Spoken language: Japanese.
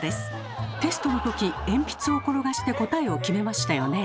テストのとき鉛筆を転がして答えを決めましたよね。